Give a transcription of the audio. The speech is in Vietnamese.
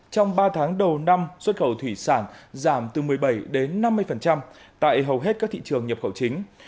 trong ba tháng đầu năm xuất khẩu thủy sản giảm từ một mươi bảy đến năm mươi tại hầu hết các thị trường nhập khẩu chính